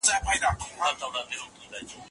که مطالعه وي، نو ټولنه به له جهالته وژغورل سي.